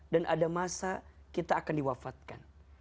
ada masa kita akan diwafatkan